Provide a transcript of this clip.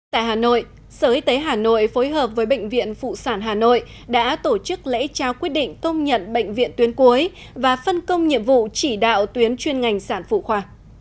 tại hà nội sở y tế hà nội phối hợp với bệnh viện phụ sản hà nội đã tổ chức lễ trao quyết định công nhận bệnh viện tuyến cuối và phân công nhiệm vụ chỉ đạo tuyến chuyên ngành sản phụ khoa